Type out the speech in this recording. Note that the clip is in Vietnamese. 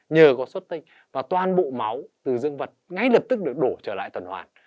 nhờ có xuất tinh và toàn bộ máu từ dương vật ngay lập tức được đổ trở lại tuần hoàn